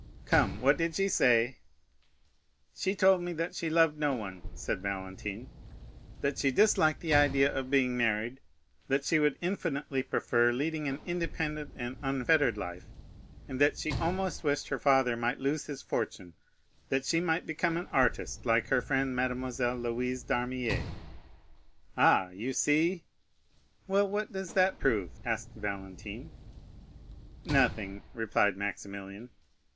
"Come, what did she say?" "She told me that she loved no one," said Valentine; "that she disliked the idea of being married; that she would infinitely prefer leading an independent and unfettered life; and that she almost wished her father might lose his fortune, that she might become an artist, like her friend, Mademoiselle Louise d'Armilly." "Ah, you see——" "Well, what does that prove?" asked Valentine. "Nothing," replied Maximilian.